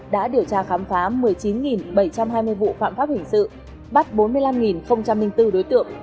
đã điều tra khám phá một mươi chín bảy trăm hai mươi vụ phạm pháp hình sự bắt bốn mươi năm bốn đối tượng